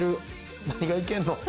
何がいけんの？